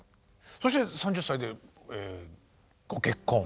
そして３０歳でご結婚。